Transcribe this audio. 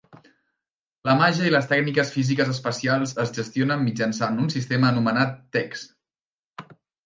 La màgia i les tècniques físiques especials es gestionen mitjançant un sistema anomenat Techs.